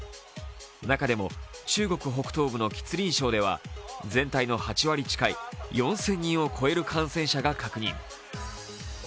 中でも中国北東部の吉林省では全体の８割近い４０００人を超える感染者を確認。